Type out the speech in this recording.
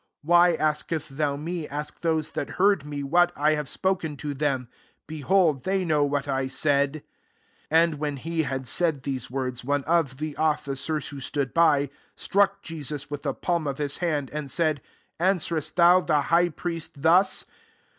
21 Why asketh thou me? Ask those that heard me, vrhat I have spoken to them : hehold, they know what I said." 2j2 And when he had said these words, one of the officers, who stood by, struck Jesus with the palm of his hand, and said, "Answerest thou the high priest thus